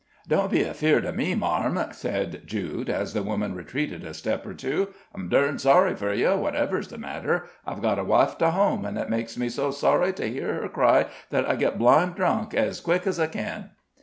"Don't be afeard of me, marm," said Jude, as the woman retreated a step or two. "I'm durned sorry for yer, whatever's the matter. I've got a wife to home, an' it makes me so sorry to hear her cry, that I get blind drunk ez quick ez I ken."